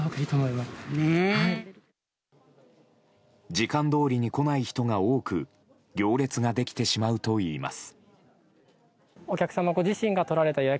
時間どおりに来ない人が多く行列ができてしまうといいます。